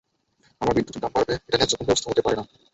আবার বিদ্যুতের দামও বাড়াবে, এটা ন্যায্য কোনো ব্যবস্থা হতে পারে না।